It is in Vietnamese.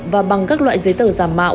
và bằng các loại giấy tờ giả mạo